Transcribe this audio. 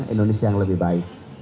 indonesia yang lebih baik